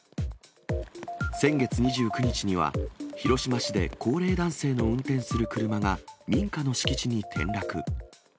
先月２９日には、広島市で高齢男性の運転する車が民家の敷地に転落。